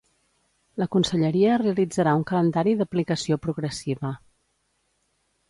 La conselleria realitzarà un calendari d’aplicació progressiva.